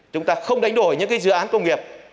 chúng ta không đánh đổi những dự án công nghiệp